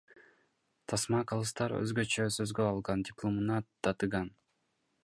Тасма Калыстар өзгөчө сөзгө алган дипломуна татыган.